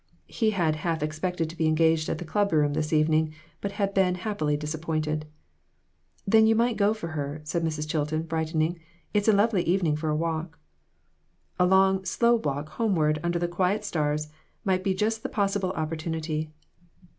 He had half expected to be engaged at the club room this evening, but had been happily disappointed. . "Then you might go for her," said Mrs. Chil ton, brightening; "it is a lovely evening for a walk." A long, slow walk homeward under the quiet stars might be the best possible opportunity for READY TO MAKE SACRIFICES.